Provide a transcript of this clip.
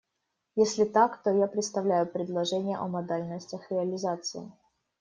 Если так, то я представлю предложение о модальностях реализации.